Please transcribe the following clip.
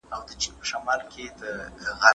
کتاب د زده کوونکي لخوا لوستل کېږي؟!